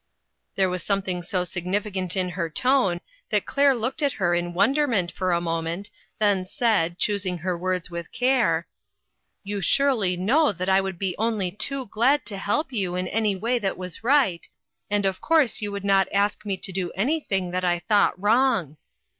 There was something so significant in her tone, that Claire looked at her in wonder ment for a moment, then said, choosing her words with care :" You surely know that I would be only too glad to help you in any way that was right, and of course you would not ask me to do anything that I thought wrong."